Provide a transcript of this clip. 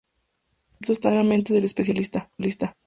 Ese concepto está en la mente del especialista.